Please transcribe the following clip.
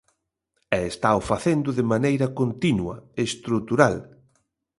E estao facendo de maneira continua, estrutural.